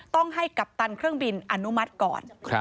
ต้องให้กัปตันเครื่องบินอนุมัติก่อน